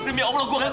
demi allah gue nggak